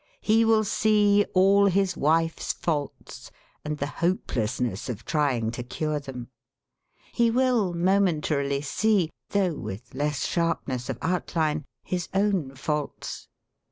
He will see all his wife's faults and the hopelessness of trying to cure them. He will momentarily see, though with less sharpness of outline, his own faults.